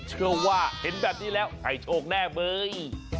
เชื่อว่าเห็นแบบนี้แล้วให้โชคแน่เลย